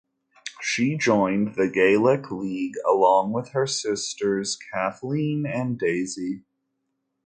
She joined the Gaelic League along with her sisters Kathleen and Daisy.